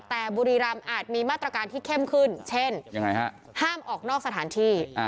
แต่บุรีรำอาจมีมาตรการที่เข้มขึ้นเช่นห้ามออกนอกสถานที่